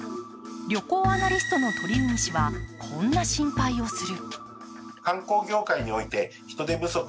旅行アナリストの鳥海氏はこんな心配をする。